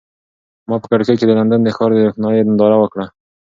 ما په کړکۍ کې د لندن د ښار د روښنایۍ ننداره وکړه.